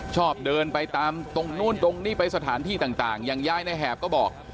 ชอบเดินไปตามตรงนู้นตรงนี้ไปสถานที่ต่างอย่างยายในแหบก็บอก